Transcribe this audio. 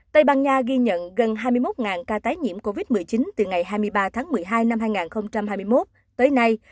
tây ban nha ghi nhận gần hai mươi một ca tái nhiễm covid một mươi chín từ ngày hai mươi ba tháng một mươi hai năm hai nghìn hai mươi một tới nay